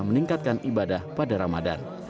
meningkatkan ibadah pada ramadan